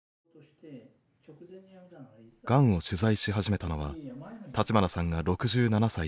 がんを取材し始めたのは立花さんが６７歳の頃。